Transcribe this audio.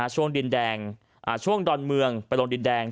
ช่วงดอนเมืองไปลงดินแดง